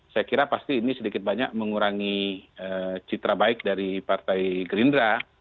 saya kira pasti ini sedikit banyak mengurangi citra baik dari partai gerindra